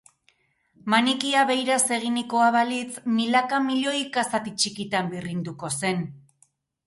Manikia beiraz eginikoa balitz, milaka, milioika zati txikitan birrinduko zen.